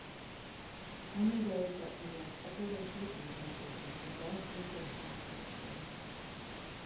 Only those that possess echolocation venture into the dark recesses of caves.